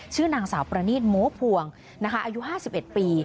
ชื่อนางสาวประนีตโม้พวงอายุ๕๑ปี